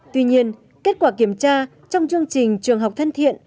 tuy nhiên kết quả kiểm tra trong chương trình trường học thân thiện